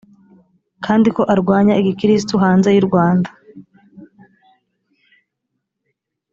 kandi ko arwanya igikirisitu hanze y urwanda